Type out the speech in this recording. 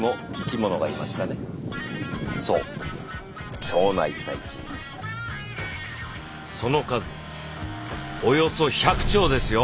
その数およそ１００兆ですよ１００兆！